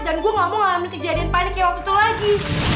dan gue gak mau ngalamin kejadian panik yang waktu itu lagi